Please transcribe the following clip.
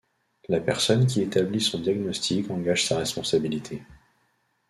La personne qui établit son diagnostic engage sa responsabilité.